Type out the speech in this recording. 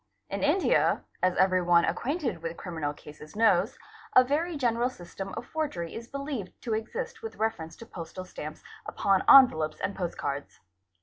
in India, as every one acquainted with criminal cases knows, a very general system of forgery is believed to exist with reference to postal stamps upon envelopes and postcards.